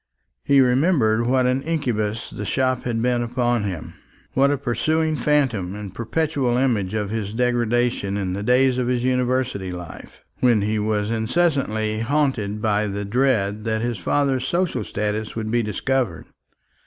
He remembered what an incubus the shop had been upon him; what a pursuing phantom and perpetual image of his degradation in the days of his University life, when he was incessantly haunted by the dread that his father's social status would be discovered.